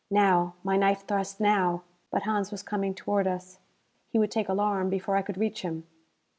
Now! My knife thrust now! But Hans was coming toward us. He would take alarm before I could reach him.